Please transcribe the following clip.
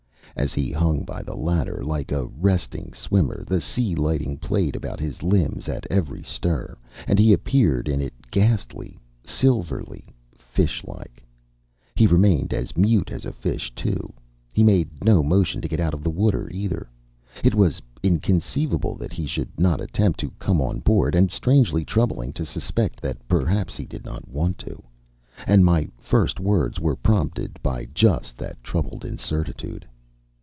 As he hung by the ladder, like a resting swimmer, the sea lightning played about his limbs at every stir; and he appeared in it ghastly, silvery, fishlike. He remained as mute as a fish, too. He made no motion to get out of the water, either. It was inconceivable that he should not attempt to come on board, and strangely troubling to suspect that perhaps he did not want to. And my first words were prompted by just that troubled incertitude.